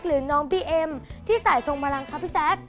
หรือน้องบีเอ็มที่สายทรงพลังครับพี่แจ๊ค